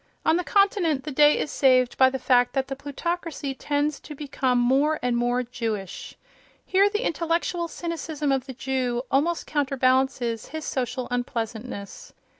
On the Continent, the day is saved by the fact that the plutocracy tends to become more and more Jewish. Here the intellectual cynicism of the Jew almost counterbalances his social unpleasantness.